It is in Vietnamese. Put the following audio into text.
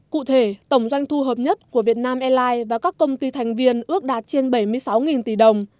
cụ thể tổng doanh thu hợp nhất của việt nam airlines và các công ty thành viên ước đạt trên bảy mươi sáu tỷ đồng